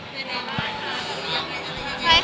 เป็นอะไรนะค่ะ